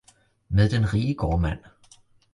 Med den rige gårdmand!